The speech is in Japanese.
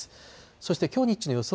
そしてきょう日中の予想